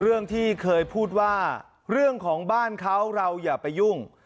เรื่องที่เคยพูดว่าเรื่องของบ้านเขาเราอย่าไปยุ่ง